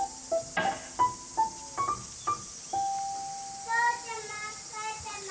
お父ちゃまお母ちゃま！